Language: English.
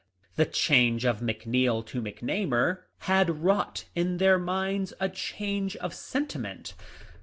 The change of McNeil to McNamar had wrought in their minds a change of sentiment.